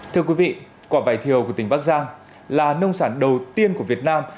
thưa quý vị quả vải thiều của tỉnh bắc giang là nông sản đầu tiên của việt nam